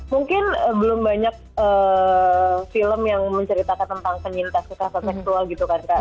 mungkin belum banyak film yang menceritakan tentang penyintas kekerasan seksual gitu kan kak